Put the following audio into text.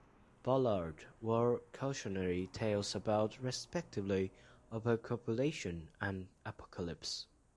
Ballard wrote cautionary tales about, respectively, overpopulation and apocalypse.